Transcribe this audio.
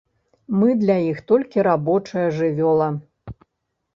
Мы для іх толькі рабочая жывёла.